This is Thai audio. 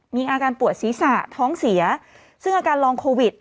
มีอาการปวดศีรษะท้องเสียซึ่งอาการลองโควิด